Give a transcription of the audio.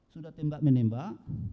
sudah tembak menembak